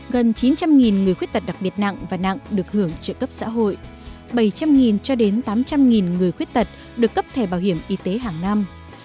gần chín trăm linh người khuyết tật đặc biệt nặng và nặng được hưởng trợ cấp xã hội bảy trăm linh cho đến tám trăm linh người khuyết tật được cấp thẻ bảo hiểm y tế hàng năm